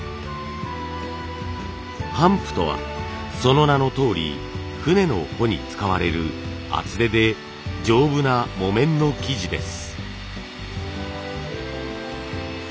帆布とはその名のとおり船の帆に使われる厚手で丈夫な木綿の生地です。